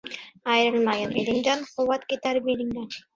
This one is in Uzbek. Ayrilmagin elingdan, quvvat ketar belingdan.